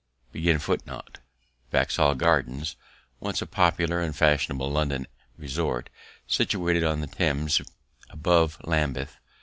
See votes. Vauxhall Gardens, once a popular and fashionable London resort, situated on the Thames above Lambeth.